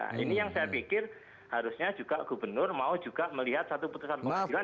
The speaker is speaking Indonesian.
nah ini yang saya pikir harusnya juga gubernur mau juga melihat satu putusan pengadilan